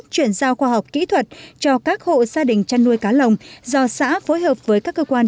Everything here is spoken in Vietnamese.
chuyển giao khoa học kỹ thuật cho các hộ gia đình chăn nuôi cá lồng do xã phối hợp với các cơ quan